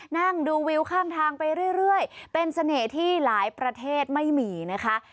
นั่งดูวิวข้างทางไปเรื่อยเป็นเสน่ห์ที่หลายประเทศไม่มีนะคะ